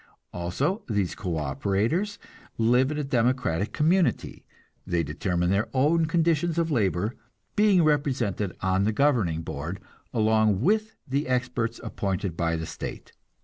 Also, these co operators live in a democratic community; they determine their own conditions of labor, being represented on the governing board, along with the experts appointed by the state.